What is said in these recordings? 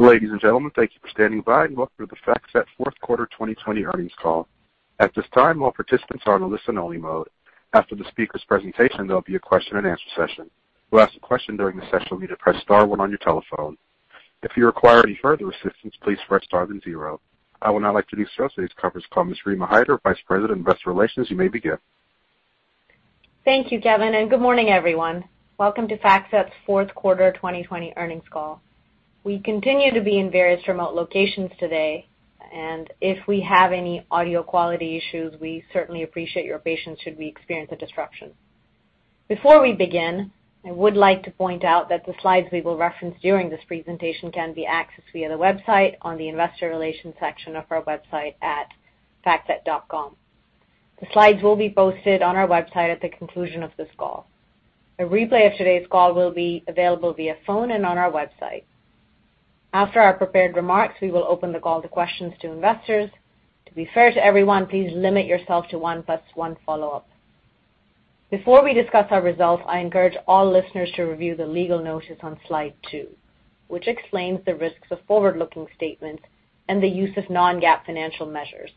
Ladies and gentlemen, thank you for standing by and welcome to the FactSet Fourth Quarter 2020 earnings call. At this time, all participants are in listen only mode. After the speaker's presentation, there'll be a question and answer session. I would now like to introduce to this conference call, Ms. Rima Hyder, Vice President of Investor Relations. You may begin. Thank you, Kevin. Good morning, everyone. Welcome to FactSet's fourth quarter 2020 earnings call. We continue to be in various remote locations today, and if we have any audio quality issues, we certainly appreciate your patience should we experience a disruption. Before we begin, I would like to point out that the slides we will reference during this presentation can be accessed via the website on the Investor Relations section of our website at factset.com. The slides will be posted on our website at the conclusion of this call. A replay of today's call will be available via phone and on our website. After our prepared remarks, we will open the call to questions to investors. To be fair to everyone, please limit yourself to one plus one follow-up. Before we discuss our results, I encourage all listeners to review the legal notice on slide two, which explains the risks of forward-looking statements and the use of non-GAAP financial measures.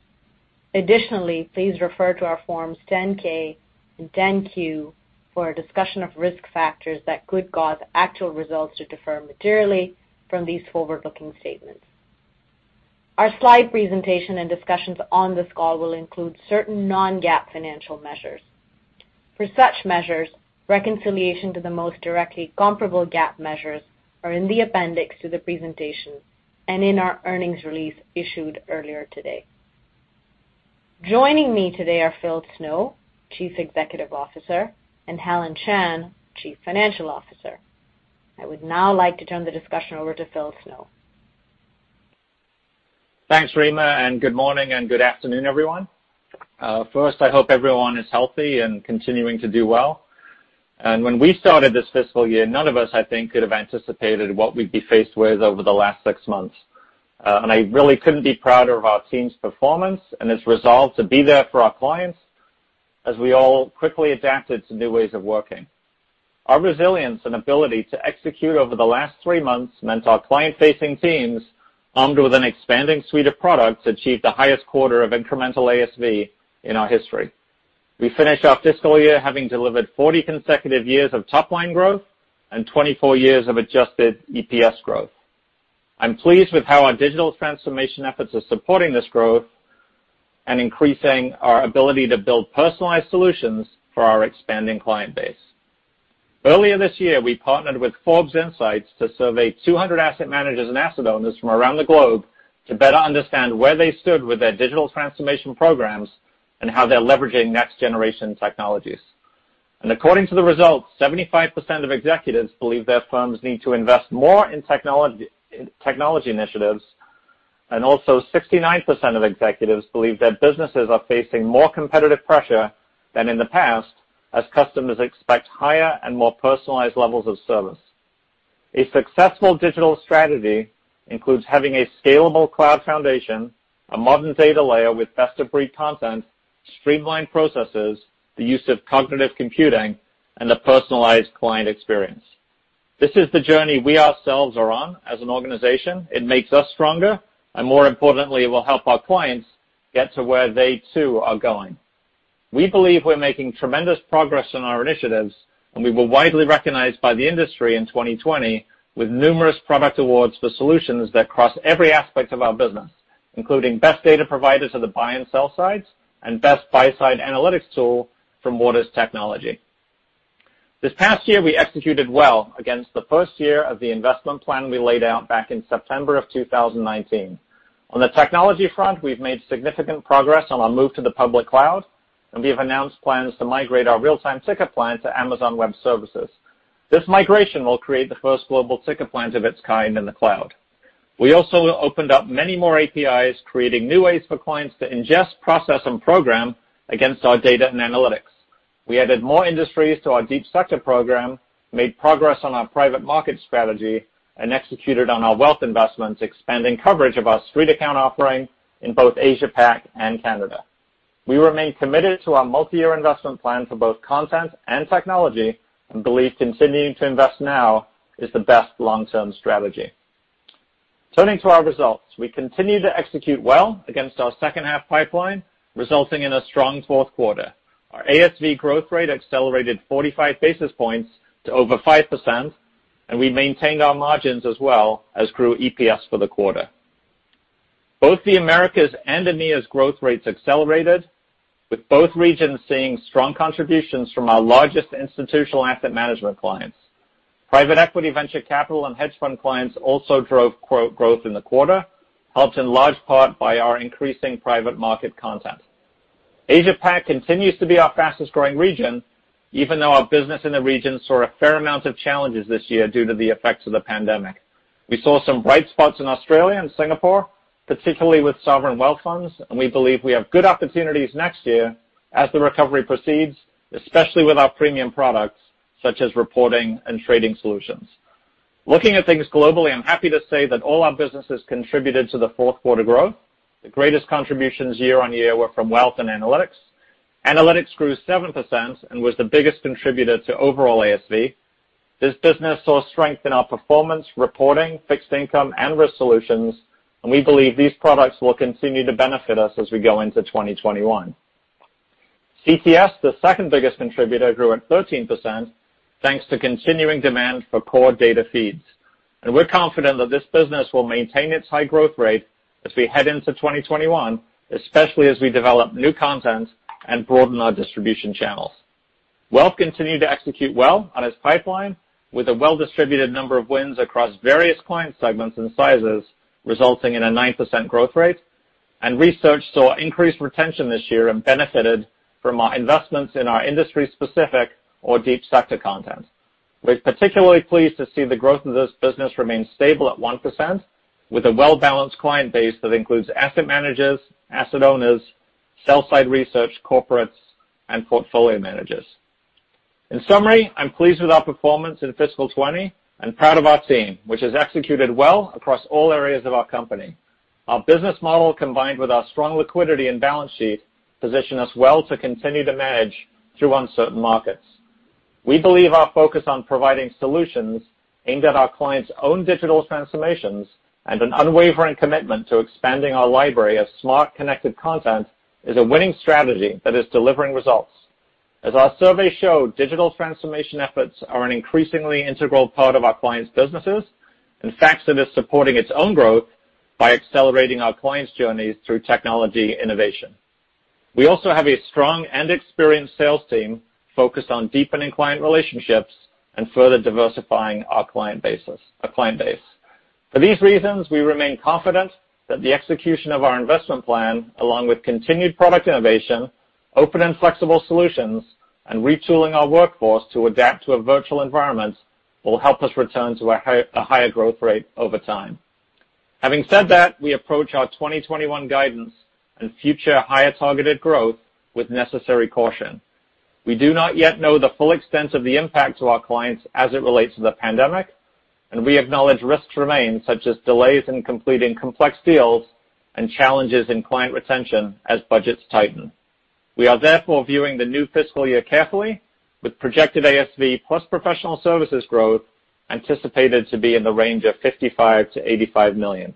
Additionally, please refer to our Forms 10-K and 10-Q for a discussion of risk factors that could cause actual results to differ materially from these forward-looking statements. Our slide presentation and discussions on this call will include certain non-GAAP financial measures. For such measures, reconciliation to the most directly comparable GAAP measures are in the appendix to the presentation and in our earnings release issued earlier today. Joining me today are Philip Snow, Chief Executive Officer, and Helen Shan, Chief Financial Officer. I would now like to turn the discussion over to Philip Snow. Thanks, Rima. Good morning and good afternoon, everyone. First, I hope everyone is healthy and continuing to do well. When we started this fiscal year, none of us, I think, could have anticipated what we'd be faced with over the last six months. I really couldn't be prouder of our team's performance and its resolve to be there for our clients as we all quickly adapted to new ways of working. Our resilience and ability to execute over the last three months meant our client-facing teams, armed with an expanding suite of products, achieved the highest quarter of incremental ASV in our history. We finish our fiscal year having delivered 40 consecutive years of top-line growth and 24 years of adjusted EPS growth. I'm pleased with how our digital transformation efforts are supporting this growth and increasing our ability to build personalized solutions for our expanding client base. Earlier this year, we partnered with Forbes Insights to survey 200 asset managers and asset owners from around the globe to better understand where they stood with their digital transformation programs and how they're leveraging next-generation technologies. According to the results, 75% of executives believe their firms need to invest more in technology initiatives, and also 69% of executives believe their businesses are facing more competitive pressure than in the past, as customers expect higher and more personalized levels of service. A successful digital strategy includes having a scalable cloud foundation, a modern data layer with best-of-breed content, streamlined processes, the use of cognitive computing, and a personalized client experience. This is the journey we ourselves are on as an organization. It makes us stronger, and more importantly, it will help our clients get to where they too are going. We believe we're making tremendous progress in our initiatives, and we were widely recognized by the industry in 2020 with numerous product awards for solutions that cross every aspect of our business, including best data provider to the buy and sell sides, and best buy-side analytics tool from WatersTechnology. This past year, we executed well against the first year of the investment plan we laid out back in September of 2019. On the technology front, we've made significant progress on our move to the public cloud, and we have announced plans to migrate our real-time ticker client to Amazon Web Services. This migration will create the first global ticker client of its kind in the cloud. We also opened up many more APIs, creating new ways for clients to ingest, process, and program against our data and analytics. We added more industries to our Deep Sector program, made progress on our private market strategy, and executed on our wealth investments, expanding coverage of our StreetAccount offering in both Asia-Pac and Canada. We remain committed to our multi-year investment plan for both content and technology and believe continuing to invest now is the best long-term strategy. Turning to our results, we continue to execute well against our second half pipeline, resulting in a strong fourth quarter. Our ASV growth rate accelerated 45 basis points to over 5%, and we maintained our margins as well as grew EPS for the quarter. Both the Americas' and EMEA's growth rates accelerated, with both regions seeing strong contributions from our largest institutional asset management clients. Private equity, venture capital, and hedge fund clients also drove growth in the quarter, helped in large part by our increasing private market content. Asia-Pac continues to be our fastest-growing region, even though our business in the region saw a fair amount of challenges this year due to the effects of the pandemic. We saw some bright spots in Australia and Singapore, particularly with sovereign wealth funds, and we believe we have good opportunities next year as the recovery proceeds, especially with our premium products, such as reporting and trading solutions. Looking at things globally, I'm happy to say that all our businesses contributed to the fourth quarter growth. The greatest contributions year-on-year were from wealth and analytics. Analytics grew 7% and was the biggest contributor to overall ASV. This business saw strength in our performance reporting, fixed income, and risk solutions. We believe these products will continue to benefit us as we go into 2021. CTS, the second biggest contributor, grew at 13% thanks to continuing demand for core data feeds. We're confident that this business will maintain its high growth rate as we head into 2021, especially as we develop new content and broaden our distribution channels. Wealth continued to execute well on its pipeline with a well-distributed number of wins across various client segments and sizes, resulting in a 9% growth rate. Research saw increased retention this year and benefited from our investments in our industry-specific or Deep Sector content. We're particularly pleased to see the growth of this business remain stable at 1%, with a well-balanced client base that includes asset managers, asset owners, sell-side research corporates, and portfolio managers. In summary, I'm pleased with our performance in fiscal 2020 and proud of our team, which has executed well across all areas of our company. Our business model, combined with our strong liquidity and balance sheet, position us well to continue to manage through uncertain markets. We believe our focus on providing solutions aimed at our clients' own digital transformations and an unwavering commitment to expanding our library of smart connected content is a winning strategy that is delivering results. As our survey showed, digital transformation efforts are an increasingly integral part of our clients' businesses, and FactSet is supporting its own growth by accelerating our clients' journeys through technology innovation. We also have a strong and experienced sales team focused on deepening client relationships and further diversifying our client base. For these reasons, we remain confident that the execution of our investment plan, along with continued product innovation, open and flexible solutions, and retooling our workforce to adapt to a virtual environment, will help us return to a higher growth rate over time. Having said that, we approach our 2021 guidance and future higher targeted growth with necessary caution. We do not yet know the full extent of the impact to our clients as it relates to the pandemic, and we acknowledge risks remain, such as delays in completing complex deals and challenges in client retention as budgets tighten. We are therefore viewing the new fiscal year carefully with projected ASV plus professional services growth anticipated to be in the range of $55-$85 million.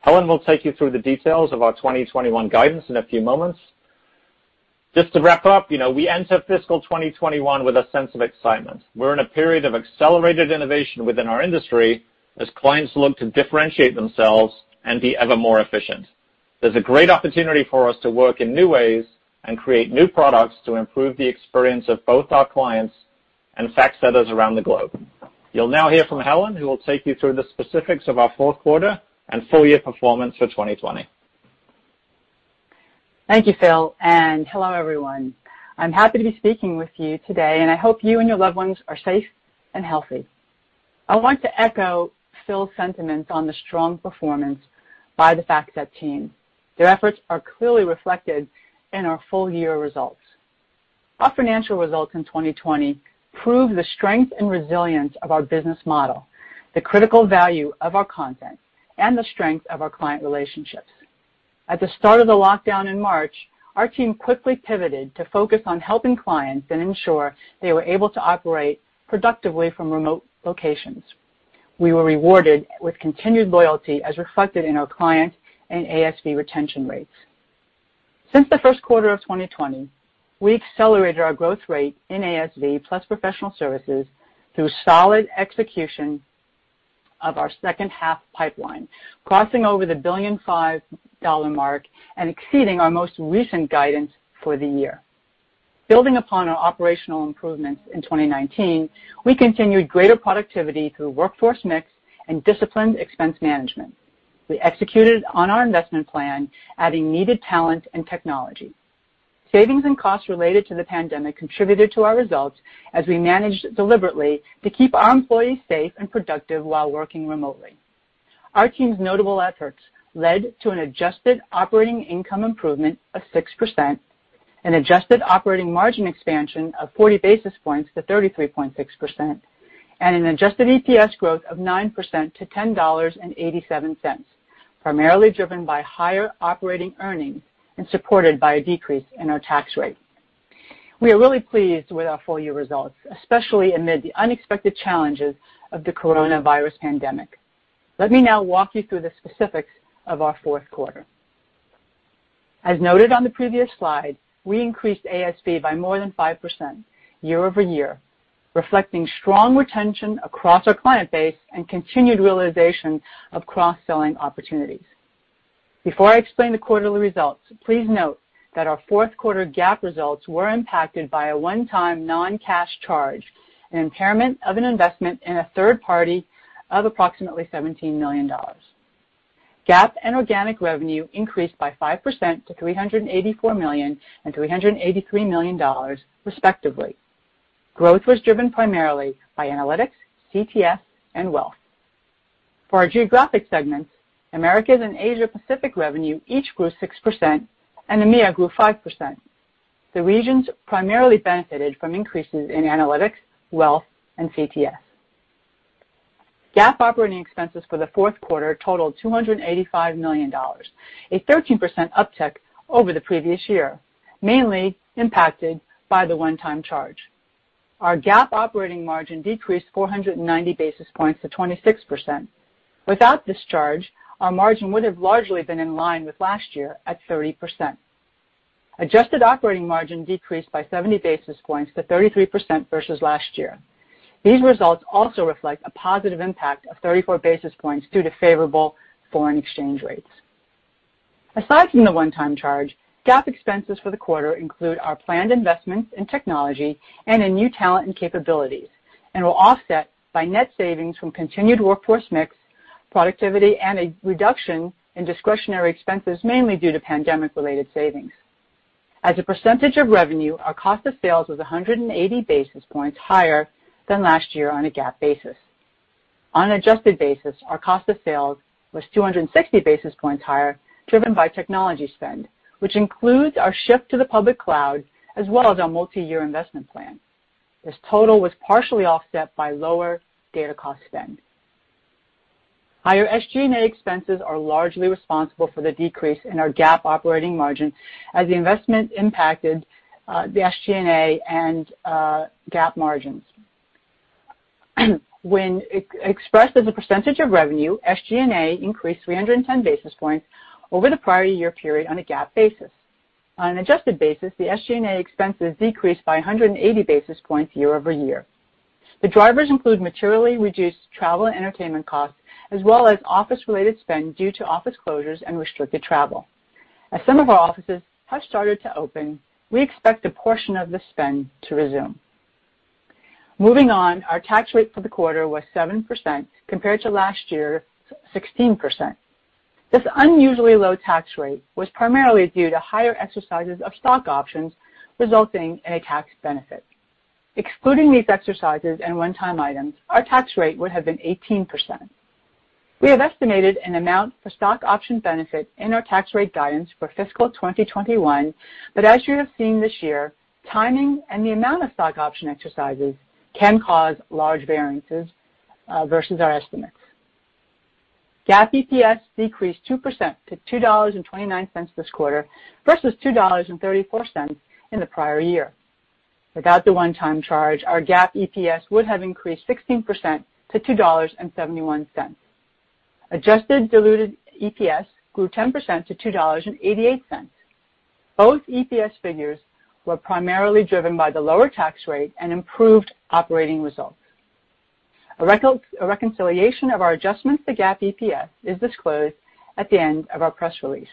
Helen will take you through the details of our 2021 guidance in a few moments. Just to wrap up, we enter fiscal 2021 with a sense of excitement. We're in a period of accelerated innovation within our industry as clients look to differentiate themselves and be ever more efficient. There's a great opportunity for us to work in new ways and create new products to improve the experience of both our clients and FactSetters around the globe. You'll now hear from Helen, who will take you through the specifics of our fourth quarter and full-year performance for 2020. Thank you, Phil, and hello, everyone. I'm happy to be speaking with you today, and I hope you and your loved ones are safe and healthy. I want to echo Phil's sentiments on the strong performance by the FactSet team. Their efforts are clearly reflected in our full year results. Our financial results in 2020 prove the strength and resilience of our business model, the critical value of our content, and the strength of our client relationships. At the start of the lockdown in March, our team quickly pivoted to focus on helping clients and ensure they were able to operate productively from remote locations. We were rewarded with continued loyalty as reflected in our client and ASV retention rates. Since the first quarter of 2020, we accelerated our growth rate in ASV plus professional services through solid execution of our second half pipeline, crossing over the $1.5 billion mark and exceeding our most recent guidance for the year. Building upon our operational improvements in 2019, we continued greater productivity through workforce mix and disciplined expense management. We executed on our investment plan, adding needed talent and technology. Savings and costs related to the pandemic contributed to our results as we managed deliberately to keep our employees safe and productive while working remotely. Our team's notable efforts led to an adjusted operating income improvement of 6%, an adjusted operating margin expansion of 40 basis points to 33.6%, and an adjusted EPS growth of 9% to $10.87, primarily driven by higher operating earnings and supported by a decrease in our tax rate. We are really pleased with our full-year results, especially amid the unexpected challenges of the coronavirus pandemic. Let me now walk you through the specifics of our fourth quarter. As noted on the previous slide, we increased ASV by more than 5% year-over-year, reflecting strong retention across our client base and continued realization of cross-selling opportunities. Before I explain the quarterly results, please note that our fourth quarter GAAP results were impacted by a one-time non-cash charge, an impairment of an investment in a third party of approximately $17 million. GAAP and organic revenue increased by 5% to $384 million and $383 million, respectively. Growth was driven primarily by analytics, CTS, and wealth. For our geographic segments, Americas and Asia-Pacific revenue each grew 6%, and EMEA grew 5%. The regions primarily benefited from increases in analytics, wealth, and CTS. GAAP operating expenses for the fourth quarter totaled $285 million, a 13% uptick over the previous year, mainly impacted by the one-time charge. Our GAAP operating margin decreased 490 basis points to 26%. Without this charge, our margin would have largely been in line with last year at 30%. Adjusted operating margin decreased by 70 basis points to 33% versus last year. These results also reflect a positive impact of 34 basis points due to favorable foreign exchange rates. Aside from the one-time charge, GAAP expenses for the quarter include our planned investments in technology and in new talent and capabilities and were offset by net savings from continued workforce mix, productivity, and a reduction in discretionary expenses, mainly due to pandemic-related savings. As a percentage of revenue, our cost of sales was 180 basis points higher than last year on a GAAP basis. On an adjusted basis, our cost of sales was 260 basis points higher, driven by technology spend, which includes our shift to the public cloud as well as our multi-year investment plan. This total was partially offset by lower data cost spend. Higher SG&A expenses are largely responsible for the decrease in our GAAP operating margin as the investment impacted the SG&A and GAAP margins. When expressed as a percentage of revenue, SG&A increased 310 basis points over the prior year period on a GAAP basis. On an adjusted basis, the SG&A expenses decreased by 180 basis points year-over-year. The drivers include materially reduced travel and entertainment costs, as well as office-related spend due to office closures and restricted travel. As some of our offices have started to open, we expect a portion of this spend to resume. Moving on, our tax rate for the quarter was 7%, compared to last year, 16%. This unusually low tax rate was primarily due to higher exercises of stock options, resulting in a tax benefit. Excluding these exercises and one-time items, our tax rate would have been 18%. We have estimated an amount for stock option benefit in our tax rate guidance for fiscal 2021, but as you have seen this year, timing and the amount of stock option exercises can cause large variances versus our estimates. GAAP EPS decreased 2% to $2.29 this quarter versus $2.34 in the prior year. Without the one-time charge, our GAAP EPS would have increased 16% to $2.71. Adjusted diluted EPS grew 10% to $2.88. Both EPS figures were primarily driven by the lower tax rate and improved operating results. A reconciliation of our adjustments to GAAP EPS is disclosed at the end of our press release.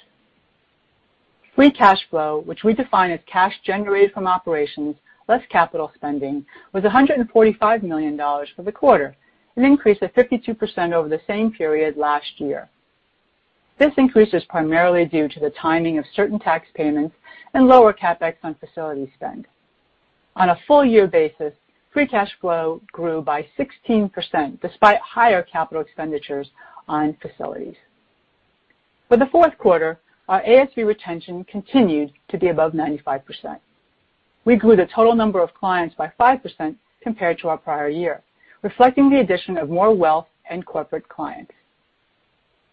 Free cash flow, which we define as cash generated from operations less capital spending, was $145 million for the quarter, an increase of 52% over the same period last year. This increase is primarily due to the timing of certain tax payments and lower CapEx on facility spend. On a full year basis, free cash flow grew by 16%, despite higher capital expenditures on facilities. For the fourth quarter, our ASV retention continued to be above 95%. We grew the total number of clients by 5% compared to our prior year, reflecting the addition of more wealth and corporate clients.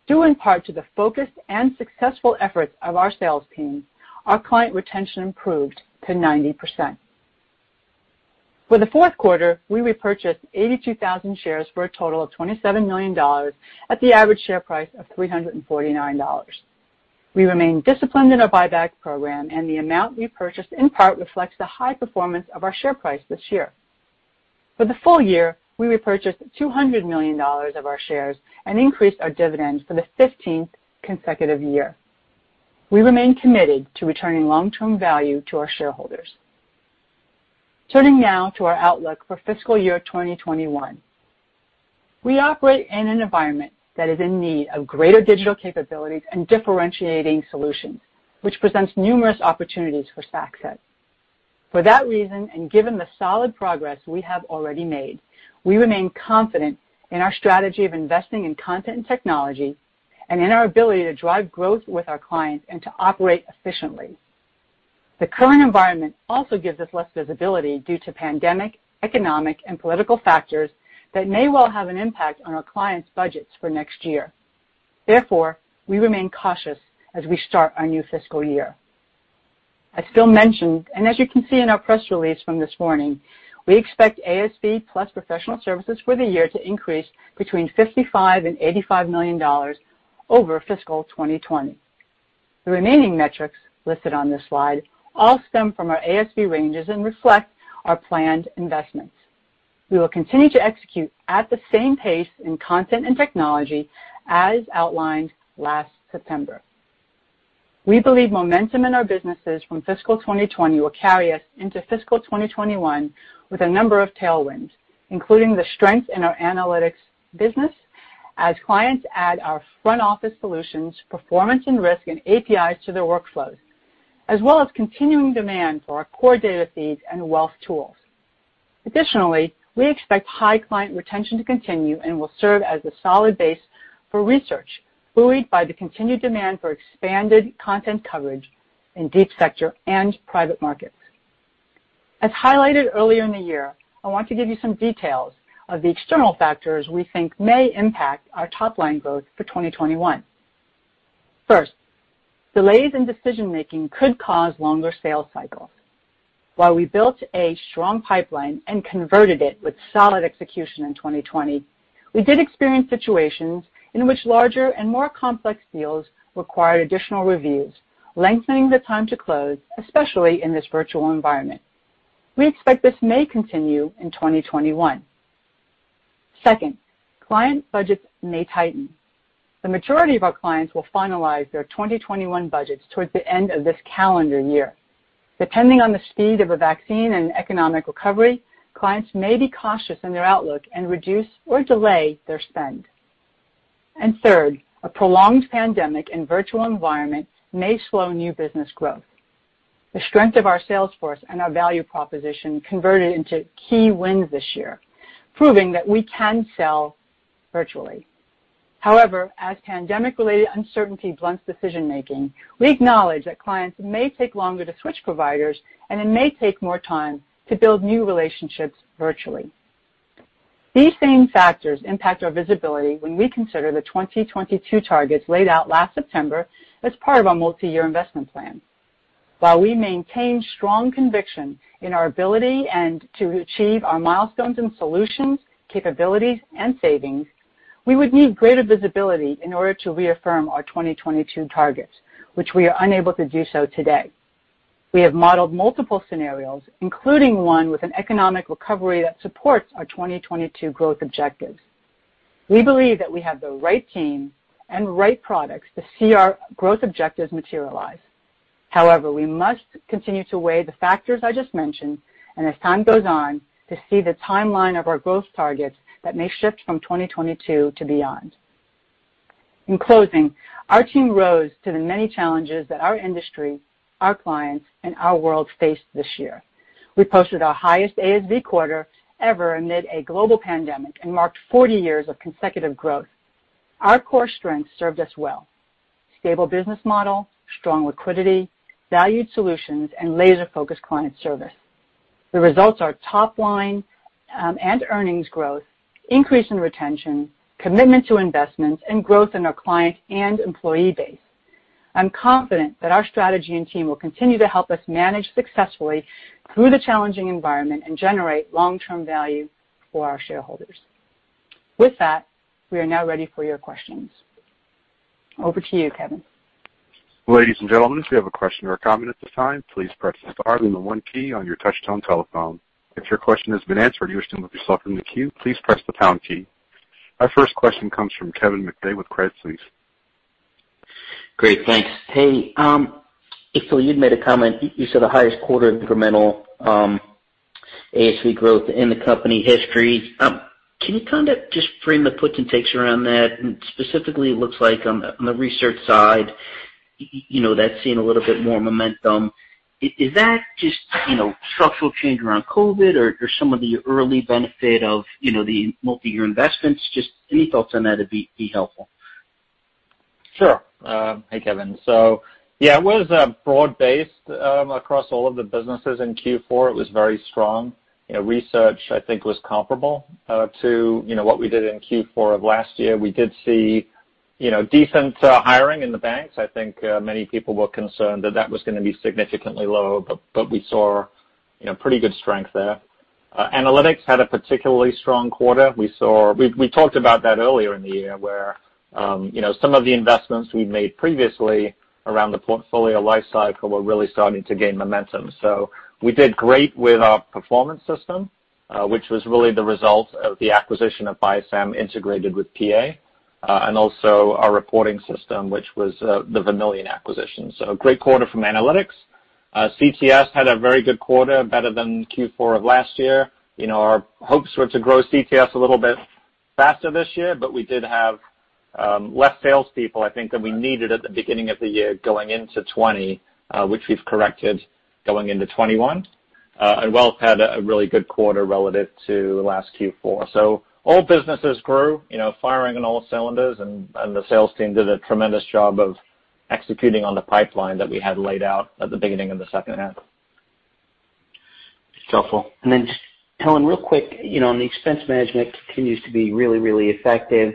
Due in part to the focused and successful efforts of our sales team, our client retention improved to 90%. For the fourth quarter, we repurchased 82,000 shares for a total of $27 million at the average share price of $349. We remain disciplined in our buyback program, and the amount we purchased in part reflects the high performance of our share price this year. For the full year, we repurchased $200 million of our shares and increased our dividends for the 15th consecutive year. We remain committed to returning long-term value to our shareholders. Turning now to our outlook for fiscal year 2021. We operate in an environment that is in need of greater digital capabilities and differentiating solutions, which presents numerous opportunities for FactSet. For that reason, and given the solid progress we have already made, we remain confident in our strategy of investing in content and technology and in our ability to drive growth with our clients and to operate efficiently. The current environment also gives us less visibility due to pandemic, economic, and political factors that may well have an impact on our clients' budgets for next year. We remain cautious as we start our new fiscal year. I still mentioned, and as you can see in our press release from this morning, we expect ASV plus professional services for the year to increase between $55 million and $85 million over fiscal 2020. The remaining metrics listed on this slide all stem from our ASV ranges and reflect our planned investments. We will continue to execute at the same pace in content and technology as outlined last September. We believe momentum in our businesses from fiscal 2020 will carry us into fiscal 2021 with a number of tailwinds, including the strength in our analytics business as clients add our front-office solutions, performance and risk, and APIs to their workflows, as well as continuing demand for our core data feeds and wealth tools. Additionally, we expect high client retention to continue and will serve as a solid base for research, buoyed by the continued demand for expanded content coverage in Deep Sector and private markets. As highlighted earlier in the year, I want to give you some details of the external factors we think may impact our top-line growth for 2021. First, delays in decision-making could cause longer sales cycles. While we built a strong pipeline and converted it with solid execution in 2020, we did experience situations in which larger and more complex deals required additional reviews, lengthening the time to close, especially in this virtual environment. We expect this may continue in 2021. Second, client budgets may tighten. The majority of our clients will finalize their 2021 budgets towards the end of this calendar year. Depending on the speed of a vaccine and economic recovery, clients may be cautious in their outlook and reduce or delay their spend. Third, a prolonged pandemic and virtual environment may slow new business growth. The strength of our sales force and our value proposition converted into key wins this year, proving that we can sell virtually. However, as pandemic-related uncertainty blunts decision-making, we acknowledge that clients may take longer to switch providers, and it may take more time to build new relationships virtually. These same factors impact our visibility when we consider the 2022 targets laid out last September as part of our multi-year investment plan. While we maintain strong conviction in our ability and to achieve our milestones and solutions, capabilities, and savings, we would need greater visibility in order to reaffirm our 2022 targets, which we are unable to do so today. We have modeled multiple scenarios, including one with an economic recovery that supports our 2022 growth objectives. We believe that we have the right team and right products to see our growth objectives materialize. However, we must continue to weigh the factors I just mentioned, and as time goes on, to see the timeline of our growth targets that may shift from 2022 to beyond. In closing, our team rose to the many challenges that our industry, our clients, and our world faced this year. We posted our highest ASV quarter ever amid a global pandemic and marked 40 years of consecutive growth. Our core strengths served us well. Stable business model, strong liquidity, valued solutions, and laser-focused client service. The results are top-line and earnings growth, increase in retention, commitment to investments, and growth in our client and employee base. I'm confident that our strategy and team will continue to help us manage successfully through the challenging environment and generate long-term value for our shareholders. With that, we are now ready for your questions. Over to you, Kevin. Our first question comes from Kevin McVeigh with Credit Suisse. Great, thanks. Hey, Phil, you'd made a comment, you said the highest quarter incremental ASV growth in the company history. Can you kind of just frame the puts and takes around that? Specifically, it looks like on the research side, that's seen a little bit more momentum. Is that just structural change around COVID, or some of the early benefit of the multi-year investments? Just any thoughts on that'd be helpful. Sure. Hey, Kevin. Yeah, it was broad-based across all of the businesses in Q4. It was very strong. Research, I think, was comparable to what we did in Q4 of last year. We did see decent hiring in the banks. I think many people were concerned that that was going to be significantly lower, we saw pretty good strength there. Analytics had a particularly strong quarter. We talked about that earlier in the year, where some of the investments we've made previously around the portfolio life cycle were really starting to gain momentum. We did great with our performance system, which was really the result of the acquisition of BISAM integrated with PA, and also our reporting system, which was the Vermilion acquisition. A great quarter from analytics. CTS had a very good quarter, better than Q4 of last year. Our hopes were to grow CTS a little bit faster this year, but we did have less salespeople, I think, than we needed at the beginning of the year going into 2020, which we've corrected going into 2021. Wealth had a really good quarter relative to last Q4. All businesses grew, firing on all cylinders, and the sales team did a tremendous job of executing on the pipeline that we had laid out at the beginning of the second half. Helpful. Helen, real quick, the expense management continues to be really effective.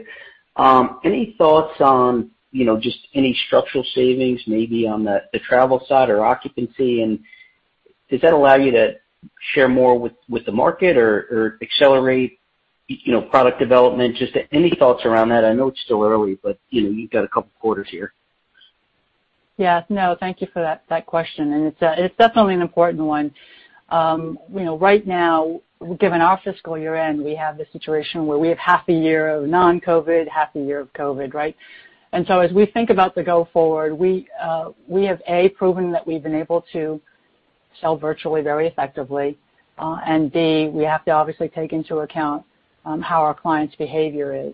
Any thoughts on just any structural savings, maybe on the travel side or occupancy, does that allow you to share more with the market or accelerate product development? Any thoughts around that? I know it's still early, you've got a couple of quarters here. Yeah. No, thank you for that question, and it's definitely an important one. Right now, given our fiscal year-end, we have the situation where we have half a year of non-COVID, half a year of COVID, right? As we think about the go forward, we have, A, proven that we've been able to sell virtually very effectively, and B, we have to obviously take into account how our clients' behavior is.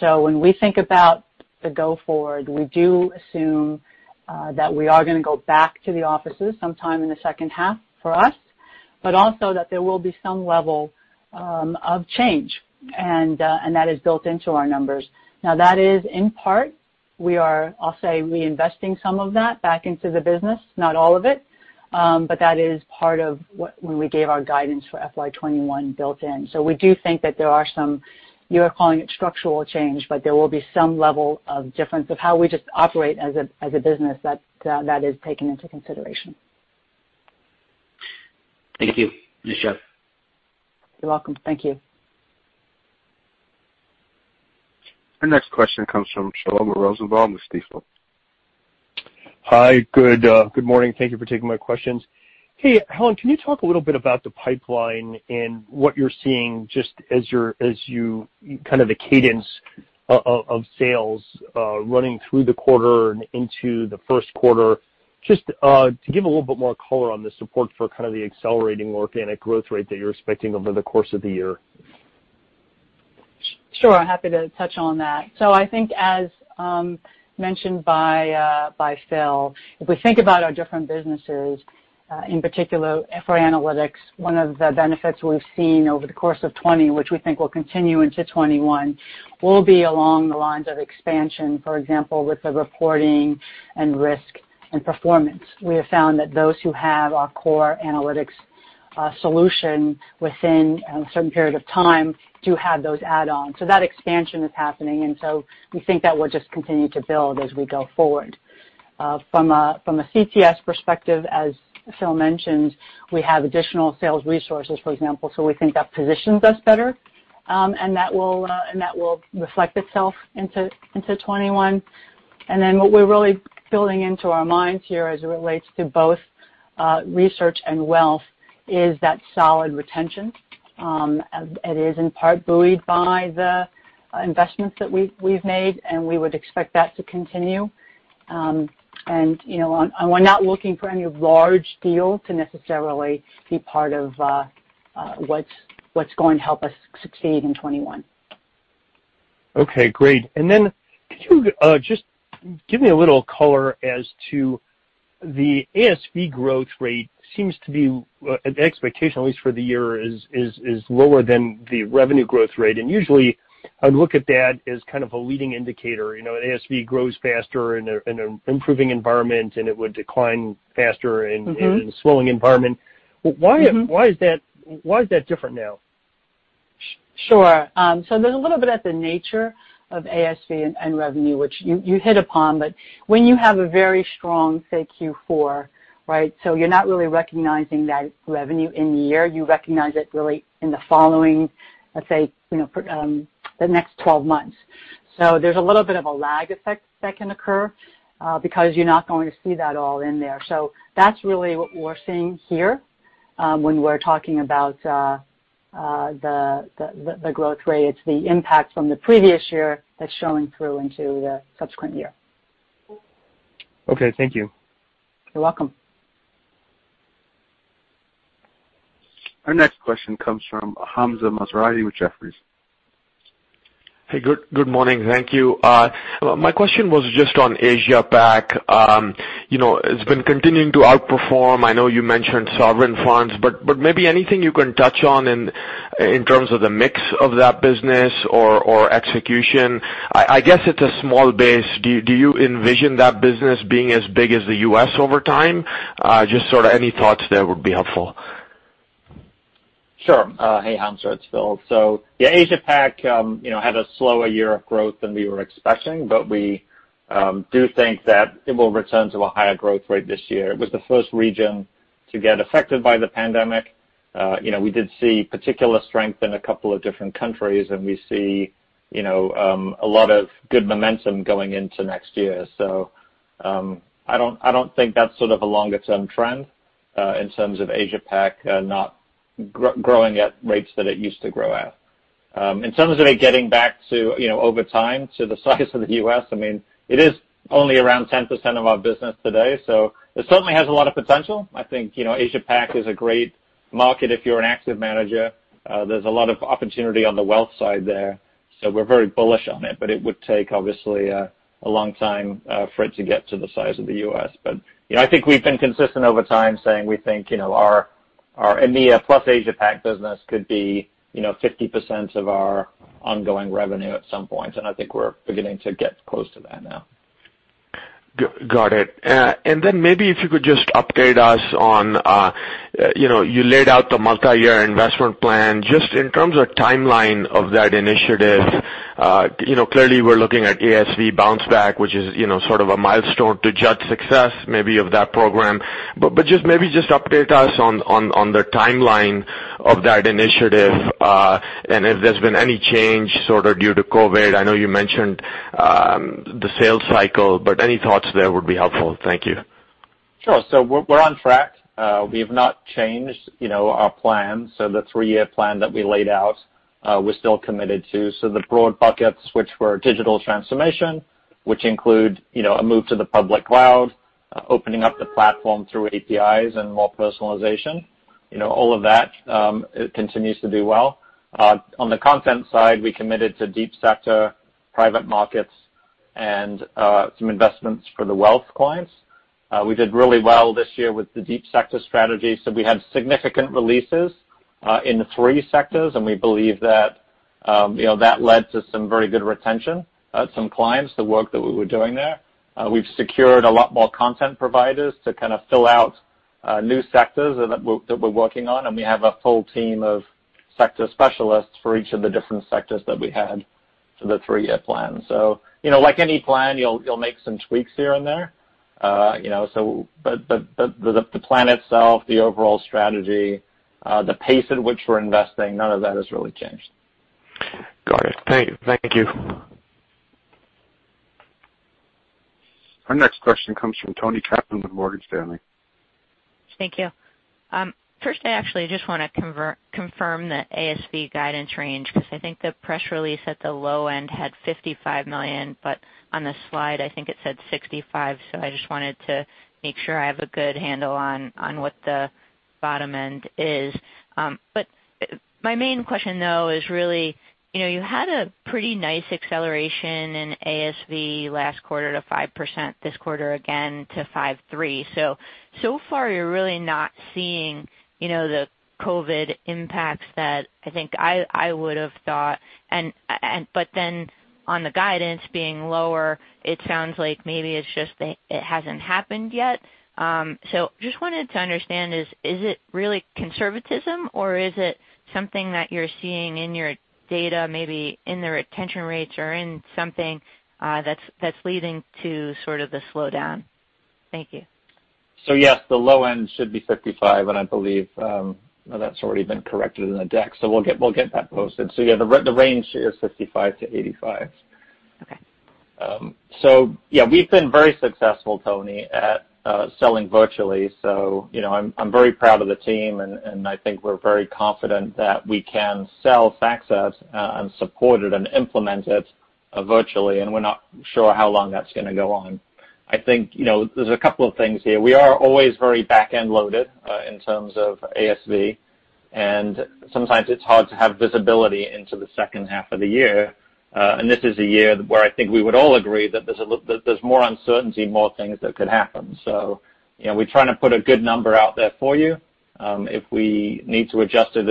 When we think about the go forward, we do assume that we are going to go back to the offices sometime in the second half for us, but also that there will be some level of change, and that is built into our numbers. Now, that is in part, we are, I'll say, reinvesting some of that back into the business, not all of it. That is part of when we gave our guidance for FY 2021 built-in. We do think that there are some, you are calling it structural change, but there will be some level of difference of how we just operate as a business that is taken into consideration. Thank you. Nice job. You're welcome. Thank you. Our next question comes from Shlomo Rosenbaum with Stifel. Hi, good morning. Thank you for taking my questions. Hey, Helen, can you talk a little bit about the pipeline and what you're seeing just as you kind of the cadence of sales running through the quarter and into the first quarter, just to give a little bit more color on the support for kind of the accelerating organic growth rate that you're expecting over the course of the year? Sure. Happy to touch on that. I think as mentioned by Phil, if we think about our different businesses, in particular for analytics, one of the benefits we've seen over the course of 2020, which we think will continue into 2021, will be along the lines of expansion, for example, with the reporting and risk and performance. We have found that those who have our core analytics solution within a certain period of time do have those add-ons. That expansion is happening, we think that will just continue to build as we go forward. From a CTS perspective, as Phil mentioned, we have additional sales resources, for example, we think that positions us better. That will reflect itself into 2021. What we're really building into our minds here as it relates to both research and wealth is that solid retention. It is in part buoyed by the investments that we've made, and we would expect that to continue. We're not looking for any large deal to necessarily be part of what's going to help us succeed in 2021. Okay, great. Could you just give me a little color as to the ASV growth rate seems to be an expectation at least for the year is lower than the revenue growth rate. Usually I'd look at that as kind of a leading indicator. ASV grows faster in an improving environment. in a slowing environment. Why is that different now? Sure. There's a little bit at the nature of ASV and revenue, which you hit upon, but when you have a very strong, say, Q4, right? You're not really recognizing that revenue in the year, you recognize it really in the following, let's say, for the next 12 months. There's a little bit of a lag effect that can occur, because you're not going to see that all in there. That's really what we're seeing here. When we're talking about the growth rate, it's the impact from the previous year that's showing through into the subsequent year. Okay, thank you. You're welcome. Our next question comes from Hamzah Mazari with Jefferies. Hey, good morning. Thank you. My question was just on Asia-Pac. It's been continuing to outperform. I know you mentioned sovereign funds, maybe anything you can touch on in terms of the mix of that business or execution. I guess it's a small base. Do you envision that business being as big as the U.S. over time? Just sort of any thoughts there would be helpful. Sure. Hey, Hamzah, it's Phil. Yeah, Asia-Pac had a slower year of growth than we were expecting, but we do think that it will return to a higher growth rate this year. It was the first region to get affected by the pandemic. We did see particular strength in a couple of different countries, and we see a lot of good momentum going into next year. I don't think that's sort of a longer-term trend, in terms of Asia-Pac not growing at rates that it used to grow at. In terms of it getting back to, over time, to the size of the U.S., it is only around 10% of our business today, so it certainly has a lot of potential. I think Asia-Pac is a great market if you're an active manager. There's a lot of opportunity on the wealth side there, so we're very bullish on it, but it would take obviously a long time for it to get to the size of the U.S. I think we've been consistent over time saying we think our EMEA plus Asia-Pac business could be 50% of our ongoing revenue at some point, and I think we're beginning to get close to that now. Got it. Then maybe if you could just update us on, you laid out the multi-year investment plan, just in terms of timeline of that initiative. Clearly we're looking at ASV bounce back, which is sort of a milestone to judge success maybe of that program. Just maybe just update us on the timeline of that initiative, and if there's been any change sort of due to COVID. I know you mentioned the sales cycle, any thoughts there would be helpful. Thank you. Sure. We're on track. We've not changed our plan. The three-year plan that we laid out, we're still committed to. The broad buckets, which were digital transformation, which include a move to the public cloud, opening up the platform through APIs and more personalization. All of that continues to do well. On the content side, we committed to Deep Sector private markets and some investments for the wealth clients. We did really well this year with the Deep Sector strategy. We had significant releases in the three sectors, and we believe that led to some very good retention at some clients, the work that we were doing there. We've secured a lot more content providers to fill out new sectors that we're working on, and we have a full team of sector specialists for each of the different sectors that we had for the three-year plan. Like any plan, you'll make some tweaks here and there. The plan itself, the overall strategy, the pace at which we're investing, none of that has really changed. Got it. Thank you. Our next question comes from Toni Kaplan with Morgan Stanley. Thank you. First, I actually just want to confirm the ASV guidance range, because I think the press release at the low end had $55 million, but on this slide, I think it said $65 million, so I just wanted to make sure I have a good handle on what the bottom end is. My main question though is really, you had a pretty nice acceleration in ASV last quarter to 5%, this quarter again to 5.3%. So far you're really not seeing the COVID impacts that I think I would've thought. On the guidance being lower, it sounds like maybe it's just that it hasn't happened yet. Just wanted to understand, is it really conservatism, or is it something that you're seeing in your data, maybe in the retention rates or in something that's leading to the slowdown? Thank you. Yes, the low end should be $55 million, and I believe that's already been corrected in the deck. We'll get that posted. Yeah, the range here is $55-$85 million. Okay. Yeah, we've been very successful, Toni, at selling virtually, so I'm very proud of the team, and I think we're very confident that we can sell FactSet and support it and implement it virtually, and we're not sure how long that's gonna go on. I think there's a couple of things here. We are always very back-end loaded in terms of ASV, and sometimes it's hard to have visibility into the second half of the year. This is a year where I think we would all agree that there's more uncertainty, more things that could happen. We're trying to put a good number out there for you. If we need to adjust it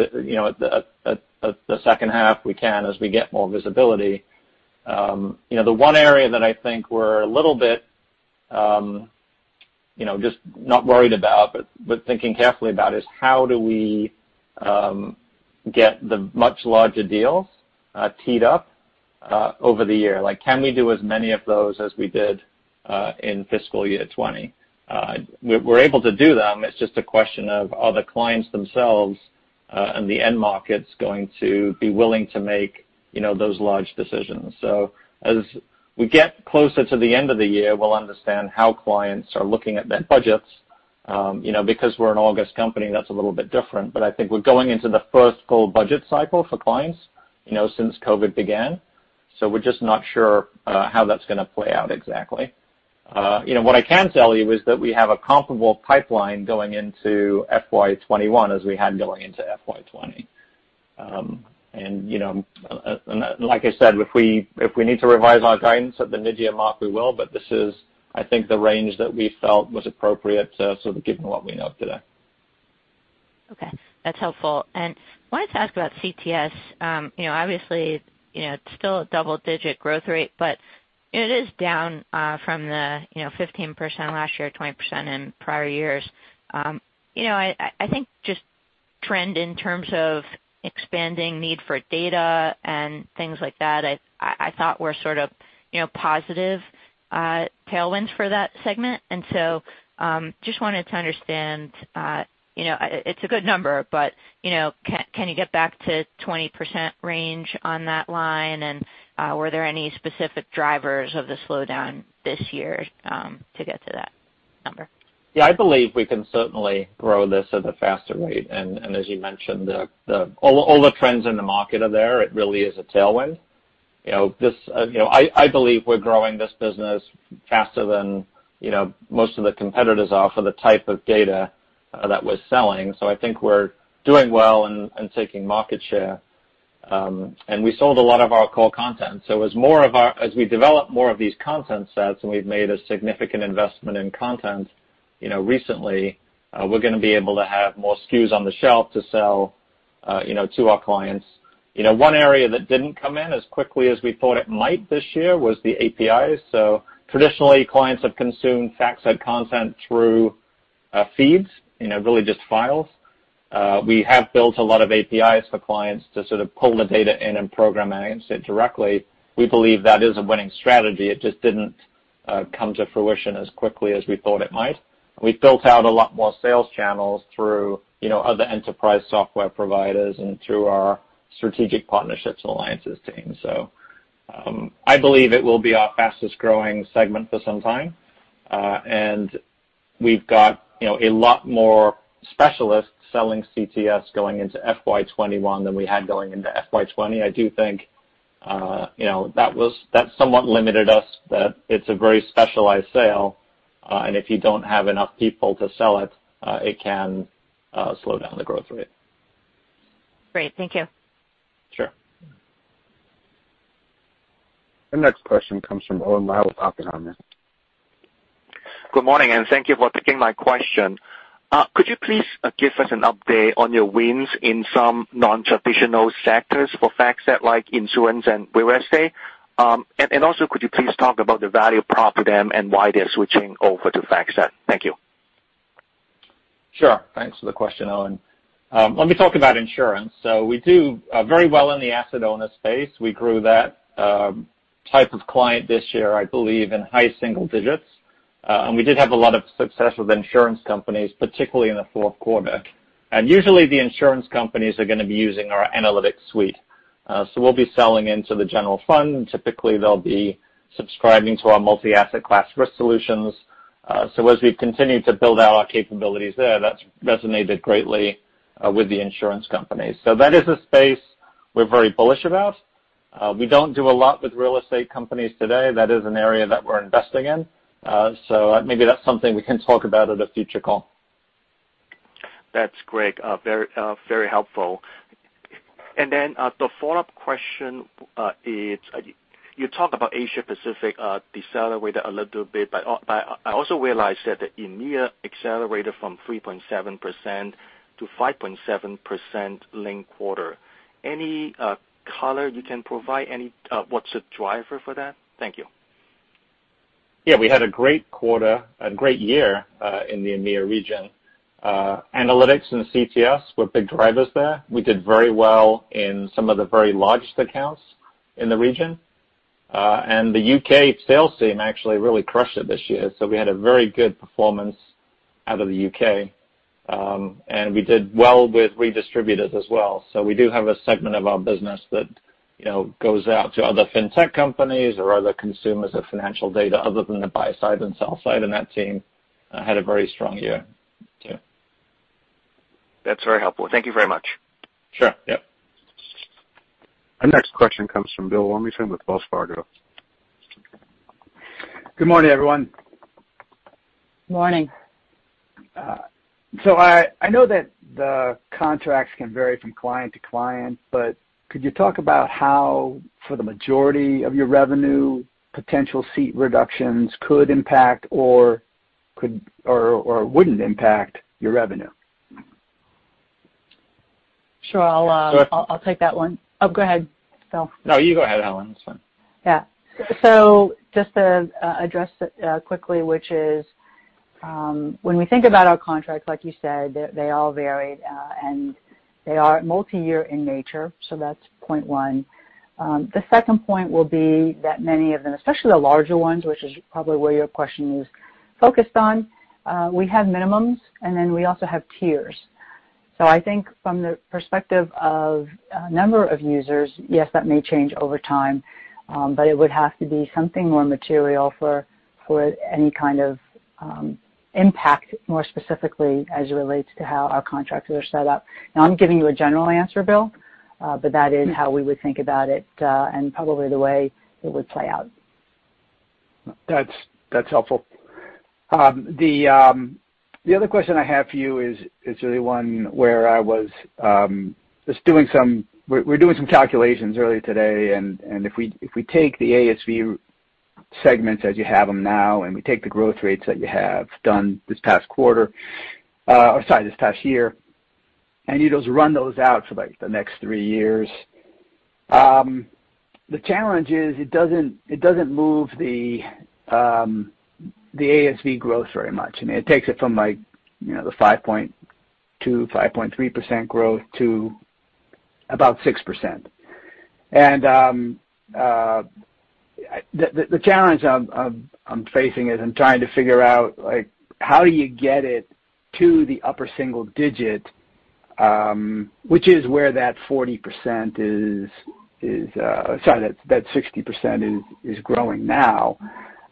at the second half, we can, as we get more visibility. The one area that I think we're a little bit, just not worried about, but thinking carefully about, is how do we get the much larger deals teed up over the year? Like can we do as many of those as we did in fiscal year 2020? We're able to do them, it's just a question of are the clients themselves, and the end markets, going to be willing to make those large decisions. As we get closer to the end of the year, we'll understand how clients are looking at their budgets. Because we're an August company, that's a little bit different. I think we're going into the first full budget cycle for clients since COVID began. We're just not sure how that's gonna play out exactly. What I can tell you is that we have a comparable pipeline going into FY 2021 as we had going into FY 2020. Like I said, if we need to revise our guidance at the midyear mark, we will, but this is, I think, the range that we felt was appropriate given what we know today. Okay, that's helpful. Wanted to ask about CTS. Obviously, it's still a double-digit growth rate, but it is down from the 15% last year, 20% in prior years. I think just trend in terms of expanding need for data and things like that, I thought were positive tailwinds for that segment. Just wanted to understand, it's a good number, but can you get back to 20% range on that line? Were there any specific drivers of the slowdown this year to get to that number? Yeah, I believe we can certainly grow this at a faster rate. As you mentioned, all the trends in the market are there. It really is a tailwind. I believe we're growing this business faster than most of the competitors are for the type of data that we're selling. I think we're doing well and taking market share. We sold a lot of our core content. As we develop more of these content sets, and we've made a significant investment in content recently, we're gonna be able to have more SKUs on the shelf to sell to our clients. One area that didn't come in as quickly as we thought it might this year was the APIs. Traditionally, clients have consumed FactSet content through feeds, really just files. We have built a lot of APIs for clients to pull the data in and program against it directly. We believe that is a winning strategy. It just didn't come to fruition as quickly as we thought it might. We built out a lot more sales channels through other enterprise software providers and through our strategic partnerships and alliances team. I believe it will be our fastest-growing segment for some time. We've got a lot more specialists selling CTS going into FY 2021 than we had going into FY 2020. I do think that somewhat limited us, that it's a very specialized sale, and if you don't have enough people to sell it can slow down the growth rate. Great. Thank you. Sure. The next question comes from Owen Lau with Oppenheimer. Good morning, and thank you for taking my question. Could you please give us an update on your wins in some non-traditional sectors for FactSet, like insurance and real estate? Also, could you please talk about the value prop to them and why they're switching over to FactSet? Thank you. Sure. Thanks for the question, Owen. Let me talk about insurance. We do very well in the asset owner space. We grew that type of client this year, I believe, in high single digits. We did have a lot of success with insurance companies, particularly in the fourth quarter. Usually, the insurance companies are going to be using our analytics suite. We'll be selling into the general fund, and typically they'll be subscribing to our multi-asset class risk solutions. As we've continued to build out our capabilities there, that's resonated greatly with the insurance companies. That is a space we're very bullish about. We don't do a lot with real estate companies today. That is an area that we're investing in. Maybe that's something we can talk about at a future call. That's great. Very helpful. Then, the follow-up question is, you talk about Asia Pacific decelerated a little bit, but I also realized that the EMEA accelerated from 3.7% to 5.7% linked quarter. Any color you can provide? What's the driver for that? Thank you. Yeah, we had a great quarter, a great year, in the EMEA region. Analytics and CTS were big drivers there. We did very well in some of the very largest accounts in the region. The UK sales team actually really crushed it this year, so we had a very good performance out of the UK We did well with redistributors as well. We do have a segment of our business that goes out to other fintech companies or other consumers of financial data other than the buy side and sell side, and that team had a very strong year too. That's very helpful. Thank you very much. Sure. Yep. Our next question comes from Bill Warmington with Wells Fargo. Good morning, everyone. Morning. I know that the contracts can vary from client to client, but could you talk about how, for the majority of your revenue, potential seat reductions could impact or wouldn't impact your revenue? Sure. I'll take that one. Oh, go ahead, Phil. No, you go ahead, Helen. It's fine. Yeah. Just to address it quickly, which is, when we think about our contracts, like you said, they all vary. They are multi-year in nature, so that's point one. The second point will be that many of them, especially the larger ones, which is probably where your question is focused on, we have minimums, and then we also have tiers. I think from the perspective of a number of users, yes, that may change over time, but it would have to be something more material for any kind of impact, more specifically as it relates to how our contracts are set up. I'm giving you a general answer, Bill, but that is how we would think about it, and probably the way it would play out. That's helpful. The other question I have for you is really one where I was just doing some calculations earlier today, and if we take the ASV segments as you have them now, and we take the growth rates that you have done this past quarter, or sorry, this past year, and you just run those out for the next three years. The challenge is it doesn't move the ASV growth very much. It takes it from the 5.2%, 5.3% growth to about 6%. The challenge I'm facing is I'm trying to figure out how do you get it to the upper single digit, which is where that 40%, sorry, that 60% is growing now.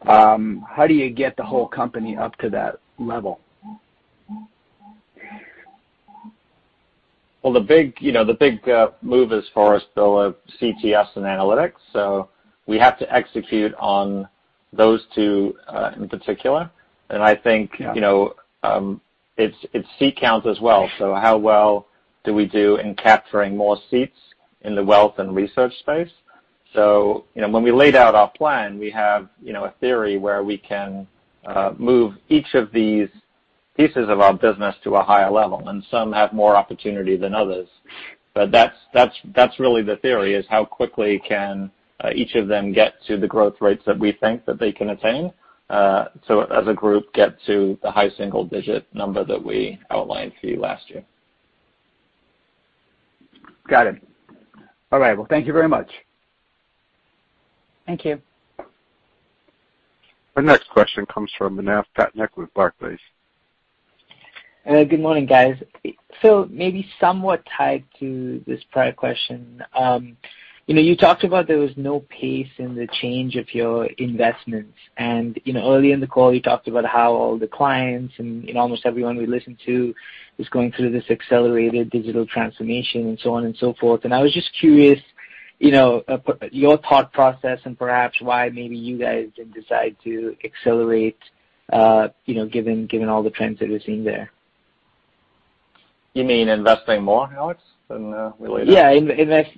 How do you get the whole company up to that level? Well, the big move as far as bill of CTS and analytics, so we have to execute on those two in particular. Yeah it's seat count as well. How well do we do in capturing more seats in the wealth and research space? When we laid out our plan, we have a theory where we can move each of these pieces of our business to a higher level, and some have more opportunity than others. But that's really the theory, is how quickly can each of them get to the growth rates that we think that they can attain. As a group, get to the high single-digit number that we outlined for you last year. Got it. All right. Well, thank you very much. Thank you. Our next question comes from Manav Patnaik with Barclays. Good morning, guys. Maybe somewhat tied to this prior question. You talked about there was no pace in the change of your investments. Early in the call, you talked about how all the clients and almost everyone we listen to is going through this accelerated digital transformation and so on and so forth. I was just curious, your thought process and perhaps why maybe you guys didn't decide to accelerate given all the trends that we're seeing there. You mean investing more than we laid out? Yeah.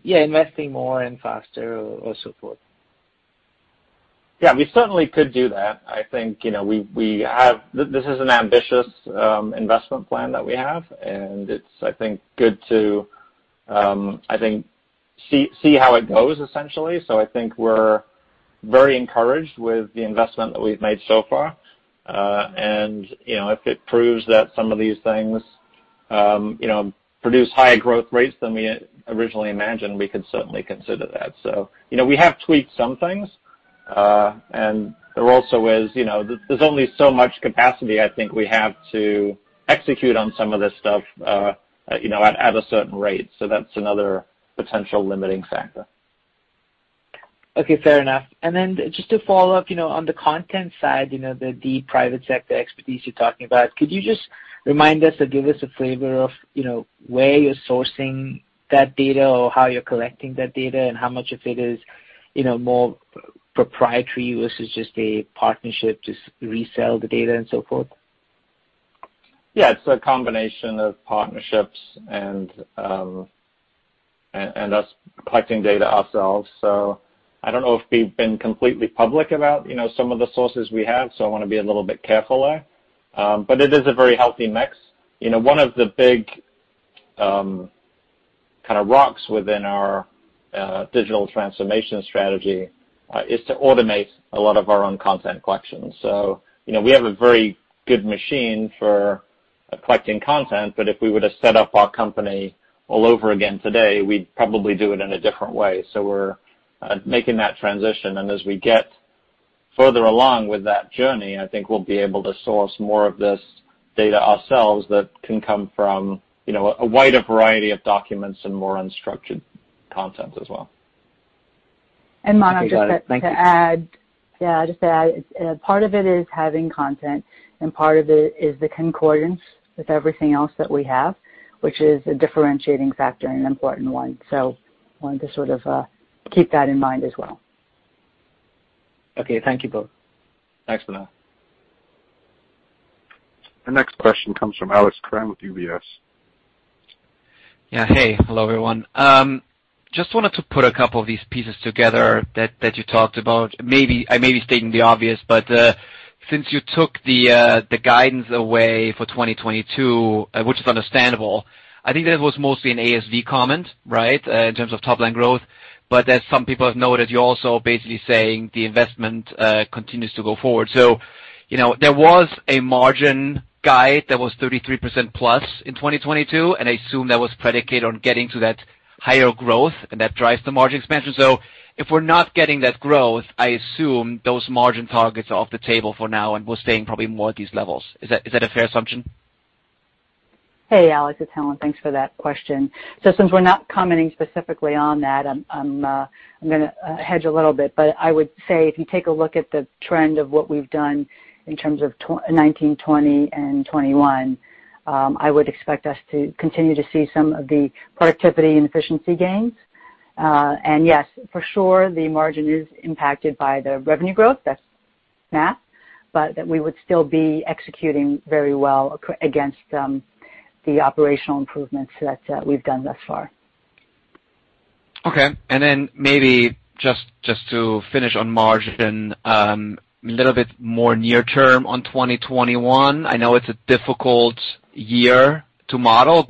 Investing more and faster or so forth. Yeah. We certainly could do that. This is an ambitious investment plan that we have. It's, I think, good to see how it goes, essentially. I think we're very encouraged with the investment that we've made so far. If it proves that some of these things produce higher growth rates than we originally imagined, we could certainly consider that. We have tweaked some things. There's only so much capacity, I think, we have to execute on some of this stuff at a certain rate. That's another potential limiting factor. Okay. Fair enough. Just to follow up, on the content side, the deep private sector expertise you're talking about, could you just remind us or give us a flavor of where you're sourcing that data or how you're collecting that data and how much of it is more proprietary versus just a partnership to resell the data and so forth? Yeah. It's a combination of partnerships and us collecting data ourselves. I don't know if we've been completely public about some of the sources we have, so I want to be a little bit careful there. It is a very healthy mix. One of the big kind of rocks within our digital transformation strategy is to automate a lot of our own content collections. We have a very good machine for collecting content, but if we were to set up our company all over again today, we'd probably do it in a different way. We're making that transition, and as we get further along with that journey, I think we'll be able to source more of this data ourselves that can come from a wider variety of documents and more unstructured content as well. Manav, I just have to add. Okay, got it. Thank you. Yeah, just to add, part of it is having content, and part of it is the concordance with everything else that we have, which is a differentiating factor and an important one. I wanted to sort of keep that in mind as well. Okay. Thank you both. Thanks for that. The next question comes from Alex Kramm with UBS. Yeah. Hey. Hello, everyone. Just wanted to put a couple of these pieces together that you talked about. I may be stating the obvious, since you took the guidance away for 2022, which is understandable, I think that was mostly an ASV comment, right, in terms of top-line growth. As some people have noted, you're also basically saying the investment continues to go forward. There was a margin guide that was 33% plus in 2022, and I assume that was predicated on getting to that higher growth and that drives the margin expansion. If we're not getting that growth, I assume those margin targets are off the table for now and we're staying probably more at these levels. Is that a fair assumption? Hey, Alex. It's Helen. Thanks for that question. Since we're not commenting specifically on that, I'm going to hedge a little bit, but I would say if you take a look at the trend of what we've done in terms of 2019, 2020, and 2021, I would expect us to continue to see some of the productivity and efficiency gains. Yes, for sure, the margin is impacted by the revenue growth. That's math. That we would still be executing very well against the operational improvements that we've done thus far. Okay. Maybe just to finish on margin, a little bit more near term on 2021. I know it's a difficult year to model.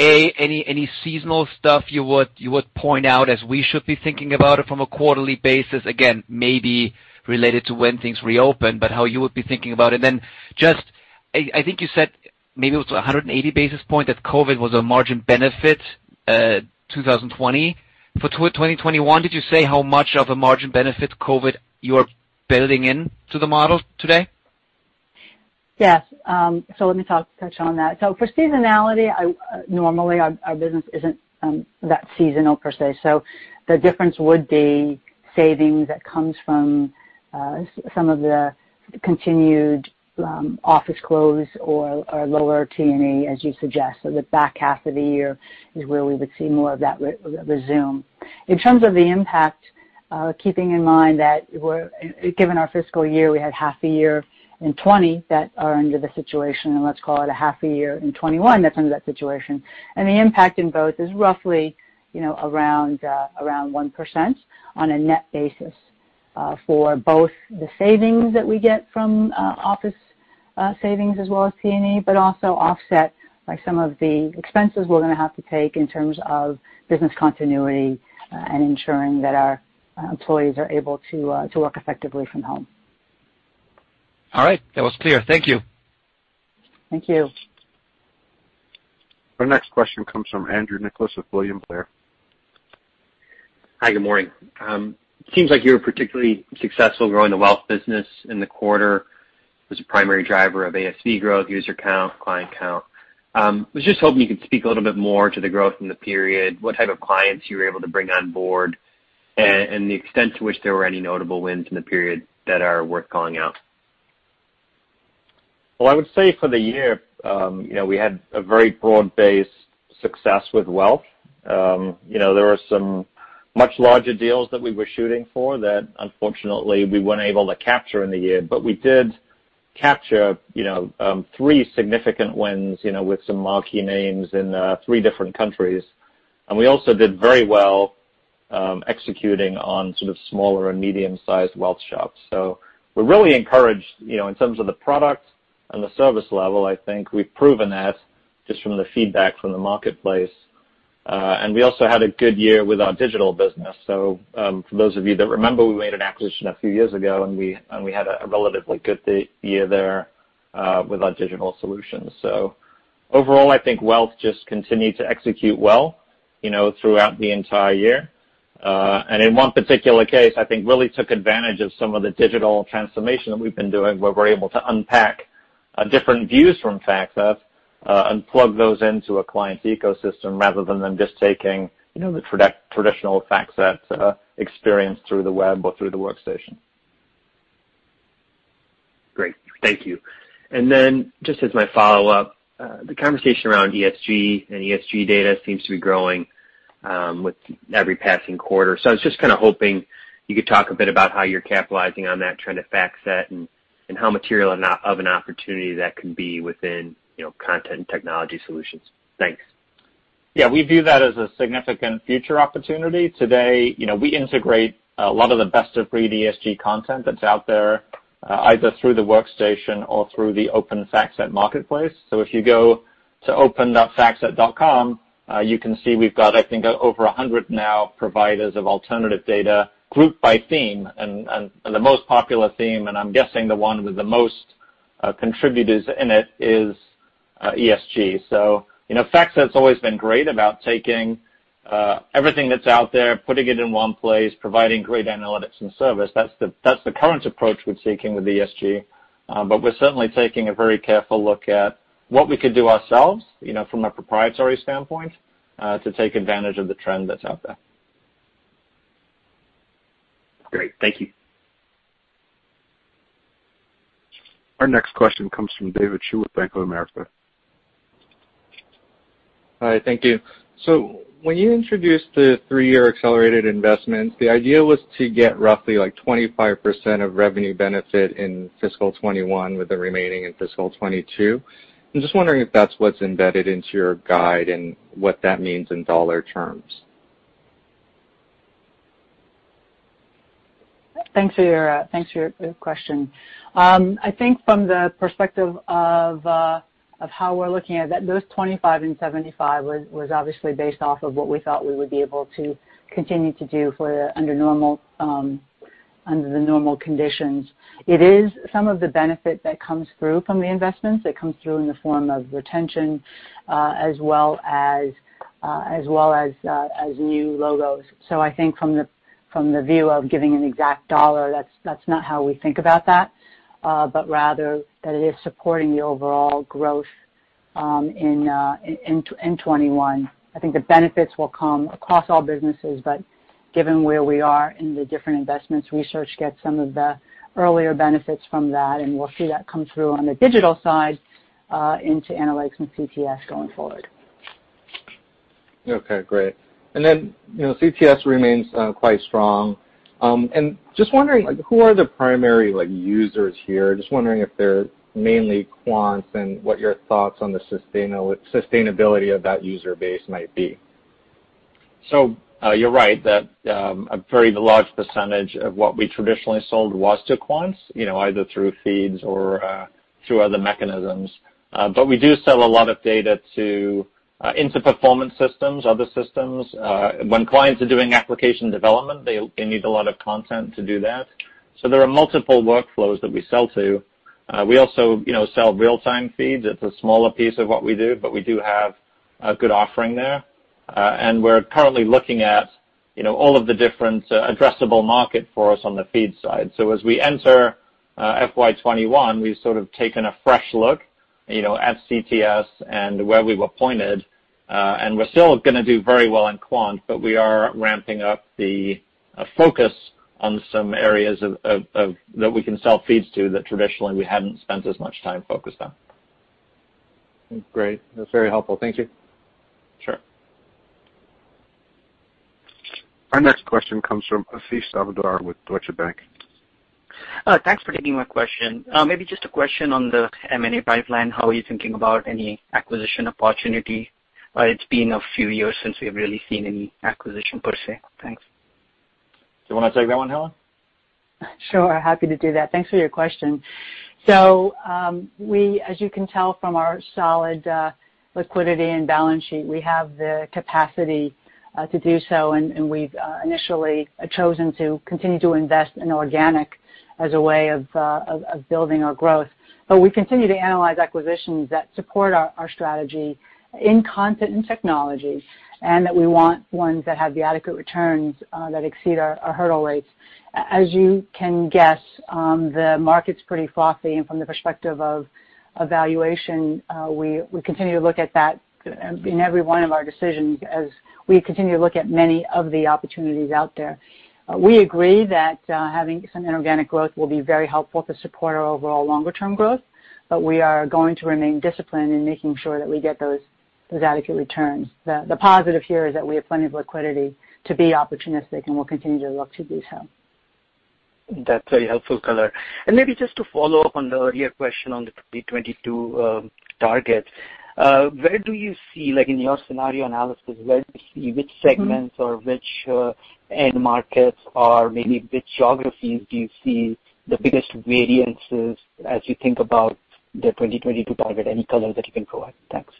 A, any seasonal stuff you would point out as we should be thinking about it from a quarterly basis, again, maybe related to when things reopen, but how you would be thinking about it? Just, I think you said maybe it was 180 basis point that COVID was a margin benefit, 2020. For 2021, did you say how much of a margin benefit COVID you're building into the model today? Yes. Let me touch on that. For seasonality, normally our business isn't that seasonal per se. The difference would be savings that comes from some of the continued office close or lower T&E, as you suggest. The back half of the year is where we would see more of that resume. In terms of the impact, keeping in mind that given our fiscal year, we had half a year in FY 2020 that are under the situation, and let's call it a half a year in FY 2021 that's under that situation. The impact in both is roughly around 1% on a net basis for both the savings that we get from office savings as well as T&E, but also offset by some of the expenses we're going to have to take in terms of business continuity and ensuring that our employees are able to work effectively from home. All right. That was clear. Thank you. Thank you. Our next question comes from Andrew Nicholas with William Blair. Hi, good morning. It seems like you were particularly successful growing the wealth business in the quarter. It was a primary driver of ASV growth, user count, client count. I was just hoping you could speak a little bit more to the growth in the period, what type of clients you were able to bring on board, and the extent to which there were any notable wins in the period that are worth calling out? Well, I would say for the year, we had a very broad-based success with wealth. There were some much larger deals that we were shooting for that unfortunately we weren't able to capture in the year. We did capture three significant wins with some marquee names in three different countries. We also did very well executing on sort of smaller and medium-sized wealth shops. We're really encouraged, in terms of the product and the service level, I think we've proven that just from the feedback from the marketplace. We also had a good year with our digital business. For those of you that remember, we made an acquisition a few years ago, and we had a relatively good year there with our digital solutions. Overall, I think wealth just continued to execute well throughout the entire year. In one particular case, I think really took advantage of some of the digital transformation that we've been doing, where we're able to unpack different views from FactSet, and plug those into a client's ecosystem rather than them just taking the traditional FactSet experience through the web or through the workstation. Great. Thank you. Then just as my follow-up, the conversation around ESG and ESG data seems to be growing with every passing quarter. I was just kind of hoping you could talk a bit about how you're capitalizing on that trend at FactSet, and how material of an opportunity that can be within Content and Technology Solutions. Thanks. Yeah. We view that as a significant future opportunity. Today, we integrate a lot of the best-of-breed ESG content that's out there, either through the workstation or through the Open:FactSet Marketplace. If you go to open.factset.com, you can see we've got, I think, over 100 now providers of alternative data grouped by theme, and the most popular theme, and I'm guessing the one with the most contributors in it, is ESG. FactSet's always been great about taking everything that's out there, putting it in one place, providing great analytics and service. That's the current approach we're taking with ESG. We're certainly taking a very careful look at what we could do ourselves from a proprietary standpoint, to take advantage of the trend that's out there. Great. Thank you. Our next question comes from David Chu with Bank of America. Hi. Thank you. When you introduced the three-year accelerated investment, the idea was to get roughly 25% of revenue benefit in fiscal 2021, with the remaining in fiscal 2022. I'm just wondering if that's what's embedded into your guide, and what that means in dollar terms. Thanks for your question. I think from the perspective of how we're looking at that, those 25% and 75% was obviously based off of what we thought we would be able to continue to do under the normal conditions. It is some of the benefit that comes through from the investments, that comes through in the form of retention, as well as new logos. I think from the view of giving an exact dollar, that's not how we think about that. Rather that it is supporting the overall growth in 2021. I think the benefits will come across all businesses, but given where we are in the different investments, research gets some of the earlier benefits from that, and we'll see that come through on the digital side into analytics and CTS going forward. Okay, great. CTS remains quite strong. Just wondering, who are the primary users here? Just wondering if they're mainly quants, and what your thoughts on the sustainability of that user base might be. You're right, that a very large percentage of what we traditionally sold was to quants, either through feeds or through other mechanisms. We do sell a lot of data into performance systems, other systems. When clients are doing application development, they need a lot of content to do that. There are multiple workflows that we sell to. We also sell real-time feeds. It's a smaller piece of what we do, but we do have a good offering there. We're currently looking at all of the different addressable market for us on the feed side. As we enter FY 2021, we've sort of taken a fresh look at CTS and where we were pointed. We're still going to do very well in quant, but we are ramping up the focus on some areas that we can sell feeds to that traditionally we hadn't spent as much time focused on. Great. That's very helpful. Thank you. Sure. Our next question comes from Ashish Sabadra with Deutsche Bank. Thanks for taking my question. Maybe just a question on the M&A pipeline. How are you thinking about any acquisition opportunity? It's been a few years since we've really seen any acquisition, per se. Thanks. Do you want to take that one, Helen? Sure, happy to do that. Thanks for your question. As you can tell from our solid liquidity and balance sheet, we have the capacity to do so, and we've initially chosen to continue to invest in organic as a way of building our growth. We continue to analyze acquisitions that support our strategy in content and technology, and that we want ones that have the adequate returns that exceed our hurdle rates. As you can guess, the market's pretty frothy, and from the perspective of valuation, we continue to look at that in every one of our decisions as we continue to look at many of the opportunities out there. We agree that having some inorganic growth will be very helpful to support our overall longer-term growth. We are going to remain disciplined in making sure that we get those adequate returns. The positive here is that we have plenty of liquidity to be opportunistic, and we'll continue to look to do so. That's very helpful color. Maybe just to follow up on the earlier question on the 2022 target, where do you see, in your scenario analysis, which segments or which end markets or maybe which geographies do you see the biggest variances as you think about the 2022 target? Any color that you can provide. Thanks.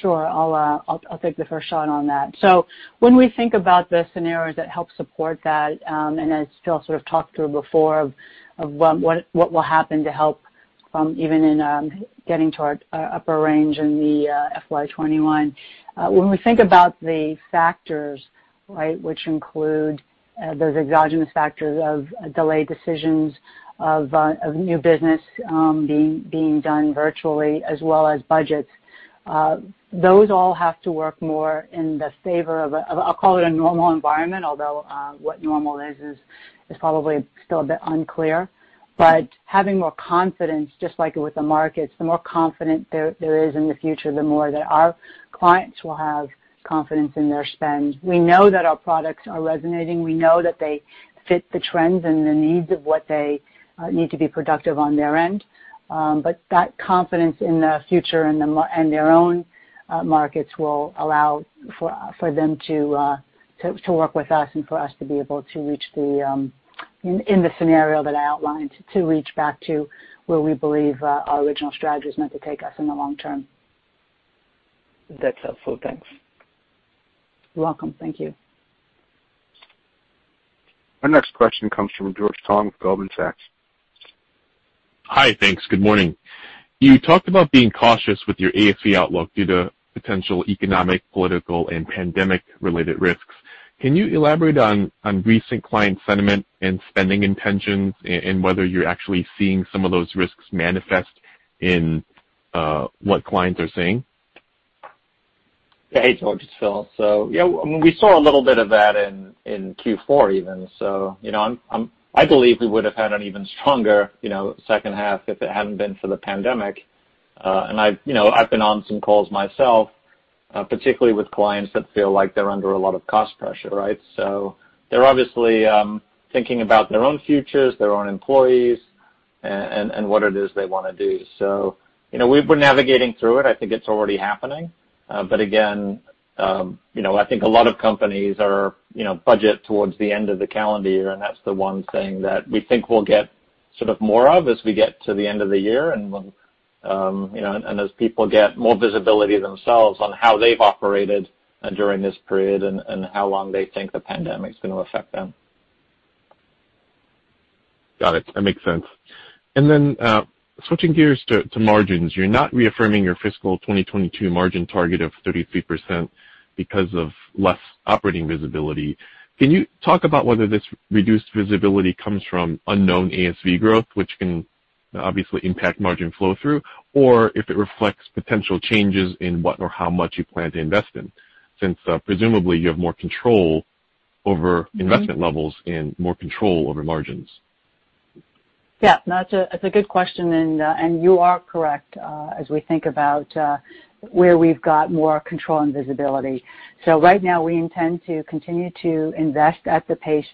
Sure. I'll take the first shot on that. When we think about the scenarios that help support that, and as Phil sort of talked through before of what will happen to help from even in getting to our upper range in the FY 2021. When we think about the factors, which include those exogenous factors of delayed decisions of new business being done virtually as well as budgets. Those all have to work more in the favor of, I'll call it a normal environment, although what normal is probably still a bit unclear. Having more confidence, just like with the markets, the more confidence there is in the future, the more that our clients will have confidence in their spend. We know that our products are resonating. We know that they fit the trends and the needs of what they need to be productive on their end. That confidence in the future and their own markets will allow for them to work with us and for us to be able to, in the scenario that I outlined, to reach back to where we believe our original strategy is meant to take us in the long term. That's helpful. Thanks. You're welcome. Thank you. Our next question comes from George Tong with Goldman Sachs. Hi, thanks. Good morning. You talked about being cautious with your ASV outlook due to potential economic, political, and pandemic-related risks. Can you elaborate on recent client sentiment and spending intentions, and whether you're actually seeing some of those risks manifest in what clients are saying? Yeah. Hey, George, it's Phil. Yeah, we saw a little bit of that in Q4 even. I believe we would've had an even stronger second half if it hadn't been for the pandemic. I've been on some calls myself, particularly with clients that feel like they're under a lot of cost pressure, right? They're obviously thinking about their own futures, their own employees, and what it is they want to do. We've been navigating through it. I think it's already happening. Again, I think a lot of companies budget towards the end of the calendar year, and that's the one thing that we think we'll get sort of more of as we get to the end of the year and as people get more visibility themselves on how they've operated during this period and how long they think the pandemic's going to affect them. Got it. That makes sense. Switching gears to margins. You're not reaffirming your fiscal 2022 margin target of 33% because of less operating visibility. Can you talk about whether this reduced visibility comes from unknown ASV growth, which can obviously impact margin flow-through, or if it reflects potential changes in what or how much you plan to invest in, since presumably you have more control over investment levels and more control over margins? Yeah, that's a good question, and you are correct, as we think about where we've got more control and visibility. Right now, we intend to continue to invest at the pace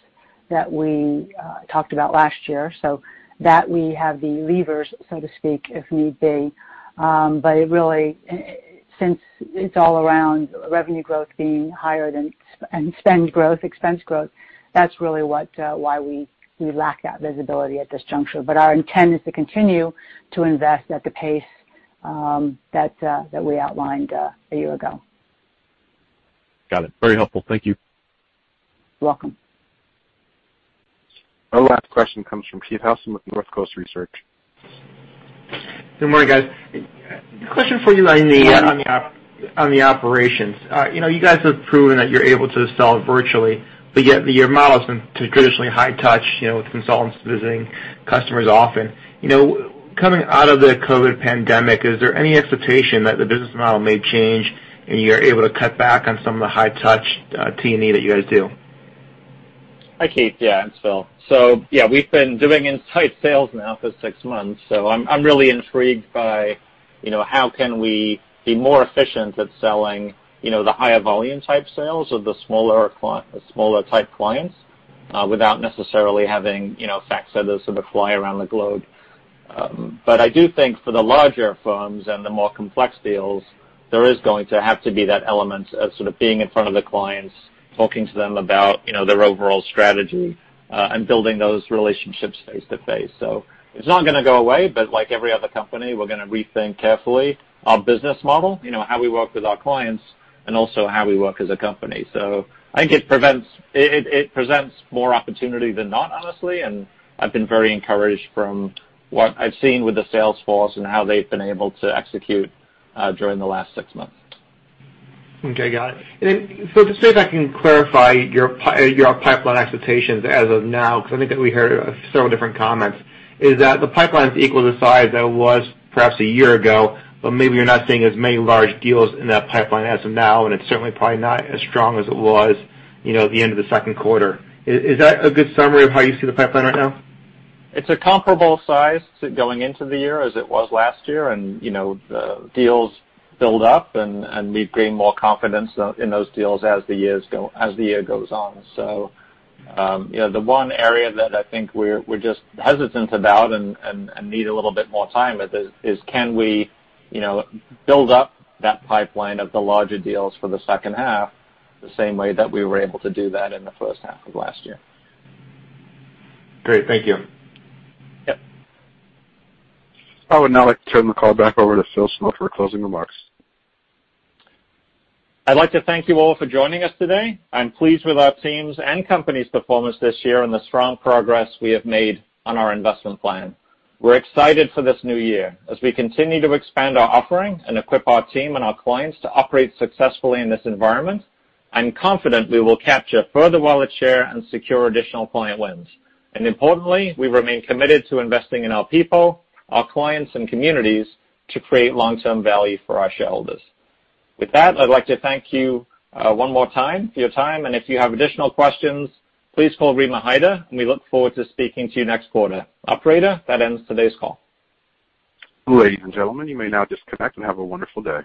that we talked about last year, so that we have the levers, so to speak, if need be. Really, since it's all around revenue growth being higher than spend growth, expense growth, that's really why we lack that visibility at this juncture. Our intent is to continue to invest at the pace that we outlined a year ago. Got it. Very helpful. Thank you. You're welcome. Our last question comes from Keith Housum with Northcoast Research. Good morning, guys. A question for you on the operations. You guys have proven that you're able to sell virtually, but yet your model has been traditionally high touch, with consultants visiting customers often. Coming out of the COVID pandemic, is there any expectation that the business model may change and you're able to cut back on some of the high touch T&E that you guys do? Hi, Keith. Yeah, it's Phil. Yeah, we've been doing inside sales now for six months, so I'm really intrigued by how can we be more efficient at selling the higher volume type sales of the smaller type clients, without necessarily having FactSetters sort of fly around the globe. I do think for the larger firms and the more complex deals, there is going to have to be that element of sort of being in front of the clients, talking to them about their overall strategy, and building those relationships face-to-face. It's not going to go away, but like every other company, we're going to rethink carefully our business model, how we work with our clients, and also how we work as a company. I think it presents more opportunity than not, honestly, and I've been very encouraged from what I've seen with the sales force and how they've been able to execute during the last six months. Okay, got it. Phil, just see if I can clarify your pipeline expectations as of now, because I think that we heard several different comments, is that the pipeline's equal to the size that it was perhaps a year ago, but maybe you're not seeing as many large deals in that pipeline as of now, and it's certainly probably not as strong as it was at the end of the second quarter. Is that a good summary of how you see the pipeline right now? It's a comparable size going into the year as it was last year, deals build up, and we've gained more confidence in those deals as the year goes on. The one area that I think we're just hesitant about and need a little bit more time with is can we build up that pipeline of the larger deals for the second half the same way that we were able to do that in the first half of last year. Great. Thank you. Yep. I would now like to turn the call back over to Philip Snow for closing remarks. I'd like to thank you all for joining us today. I'm pleased with our team's and company's performance this year and the strong progress we have made on our investment plan. We're excited for this new year. As we continue to expand our offering and equip our team and our clients to operate successfully in this environment, I am confident we will capture further wallet share and secure additional client wins. Importantly, we remain committed to investing in our people, our clients, and communities to create long-term value for our shareholders. With that, I'd like to thank you one more time for your time, and if you have additional questions, please call Rima Hyder, and we look forward to speaking to you next quarter. Operator, that ends today's call. Ladies and gentlemen, you may now disconnect and have a wonderful day.